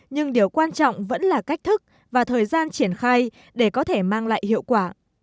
nhưng điều quan trọng vẫn là cách thức và thời gian triển khai để có thể mang lại hiệu quả